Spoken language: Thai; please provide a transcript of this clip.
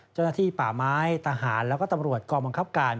เจ้าหน้าที่ป่าไม้ทหารแล้วก็ตำรวจกองบังคับการ